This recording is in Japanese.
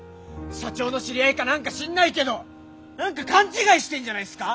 社長の知り合いか何か知んないけど何か勘違いしてんじゃないっすか？